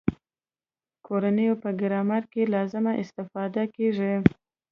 کورونو په ګرمولو کې لازمې استفادې کیږي.